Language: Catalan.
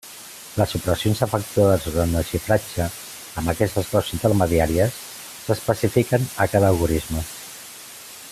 Les operacions efectuades durant el xifratge amb aquestes claus intermediàries s'especifiquen a cada algorisme.